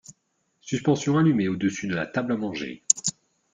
Suspension allumée au-dessus de la table à manger.